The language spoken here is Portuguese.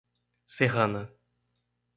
Serrana